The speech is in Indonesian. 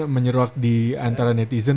menyeruak di antara netizen